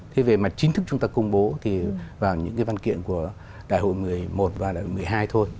thế về mặt chính thức chúng ta công bố thì vào những cái văn kiện của đại hội một mươi một và đại hội một mươi hai thôi